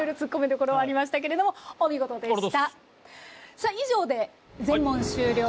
さあ以上で全問終了です。